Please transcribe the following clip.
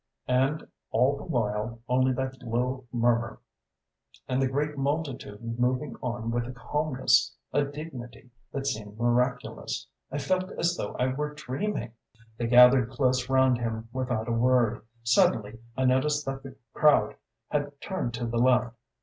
And all the while only that low murmur, and the great multitude moving on with a calmness, a dignity that seemed miraculous. I felt as though I were dreaming!" They gathered close round him without a word. "Suddenly I noticed that the crowd had turned to the left.